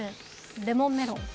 レモンメロン。